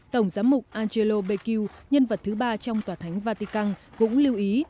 tổng giám mục angelo becchio nhân vật thứ ba trong tòa thánh vatican cũng lưu ý